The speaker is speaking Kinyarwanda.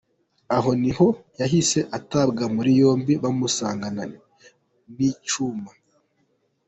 Aho ni naho yahise atabwa muri yombi bamusangana n’Icyuma.